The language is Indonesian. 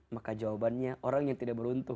maka jawabannya orang yang tidak beruntung